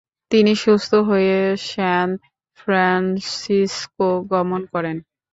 তিনি সুস্থ হয়ে স্যান ফ্রানসিসকো গমন করেন।